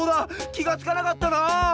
きがつかなかったな。